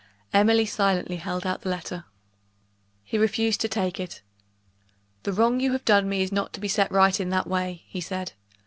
Emily silently held out the letter. He refused to take it. "The wrong you have done me is not to be set right in that way," he said.